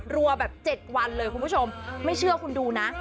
รัวแบบ๗วันเลยคุณผู้ชมไม่เชื่อคุณดูนะ